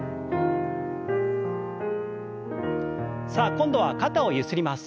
さあ今度は肩をゆすります。